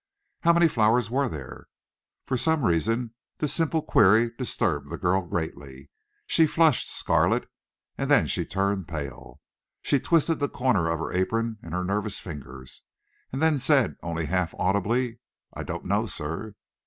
"How many flowers were there?" For some reason this simple query disturbed the girl greatly. She flushed scarlet, and then she turned pale. She twisted the corner of her apron in her nervous fingers, and then said, only half audibly, "I don't know, sir."